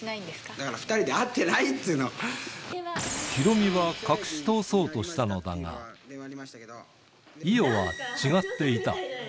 だから２人で会ってないっつヒロミは隠し通そうとしたのだが、伊代は違っていた。